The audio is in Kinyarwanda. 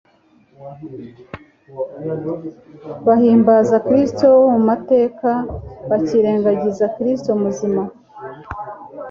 Bahimbaza Kristo wo mu mateka bakirengagiza Kristo muzima.